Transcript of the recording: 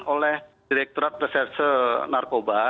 oleh direkturat presidensi narkoba